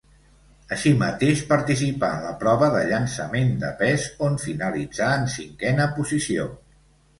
Així mateix participà en la prova de llançament de pes, on finalitzà en cinquena posició.